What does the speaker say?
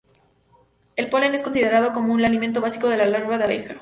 El polen es considerado como el alimento básico de la larva de abeja.